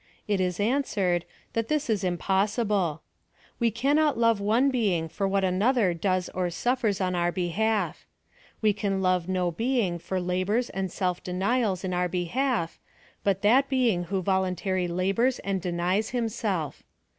It is answered, that this is impossible. We cannot love one being for what another does oi suffers in our behalf. We can iov^e no being for la bors and self denials in our behalf, but that being who voluntarily labors and denies himself.